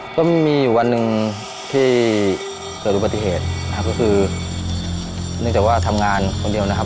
ก็มีอยู่วันหนึ่งที่เกิดอุบัติเหตุนะครับก็คือเนื่องจากว่าทำงานคนเดียวนะครับ